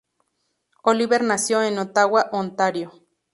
Oliver nació en Ottawa, Ontario.